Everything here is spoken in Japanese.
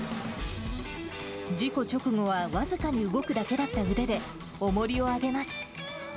事故直後は僅かに動くだけだった腕でおもりを上げます。